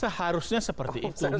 seharusnya seperti itu